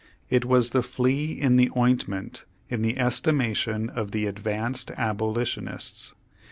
It was the flea in the ointment in the es timation of the advanced abolitionists.